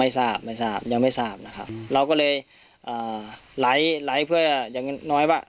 ทราบไม่ทราบยังไม่ทราบนะครับเราก็เลยอ่าไลค์ไลฟ์เพื่ออย่างน้อยว่า